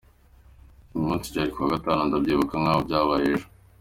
Uwo munsi byari ku wa gatanu ndabyibuka nk’aho byabaye ejo.